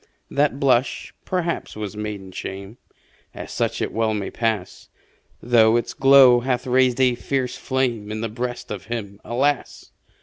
That blush, perhaps, was maiden shame As such it well may pass Though its glow hath raised a fiercer flame In the breast of him, alas!